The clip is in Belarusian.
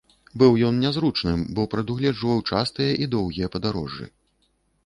Быў ён нязручным, бо прадугледжваў частыя і доўгія падарожжы.